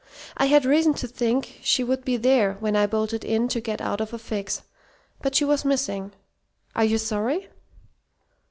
I had reason to think she would be there when I bolted in to get out of a fix. But she was missing. Are you sorry?"